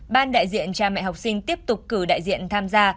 ban đại diện cha mẹ học sinh tiếp tục cử đại diện tham gia